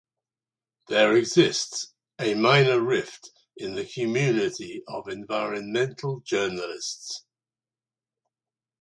There exists a minor rift in the community of environmental journalists.